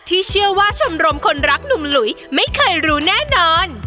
เชื่อว่าชมรมคนรักหนุ่มหลุยไม่เคยรู้แน่นอน